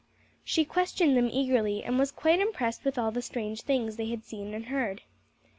She questioned them eagerly and was quite impressed with all the strange things they had seen and heard.